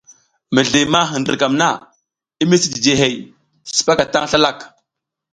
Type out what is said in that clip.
Mizli ma hindrikam na i misi jiji hey, sipaka tan slalak.